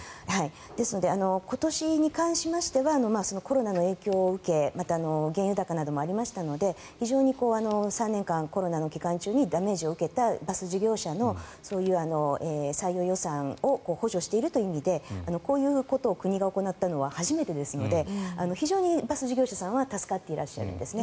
ですので今年に関しましてはコロナの影響を受け原油高などもありましたので非常に３年間コロナの期間中にダメージを受けたバス事業者のそういう採用予算を補助しているという意味でこういうことを国が行ったのは初めてですので非常にバス事業者さんは助かっていらっしゃるんですね。